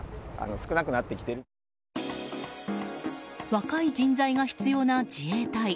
若い人材が必要な自衛隊。